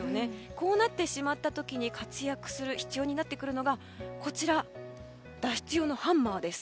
こうなってしまった時に活躍する必要になってくるのがこちら、脱出用のハンマーです。